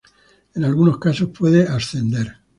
En algunos casos puede ascender.